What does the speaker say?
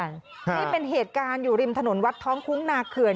นี่เป็นเหตุการณ์อยู่ริมถนนวัดท้องคุ้งนาเขื่อน